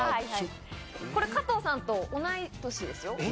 これ加藤さんと同い年ですよ。